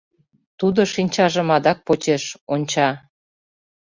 Тудо шинчажым адак почеш, онча: